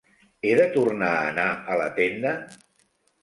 He de tornar a anar a la tenda?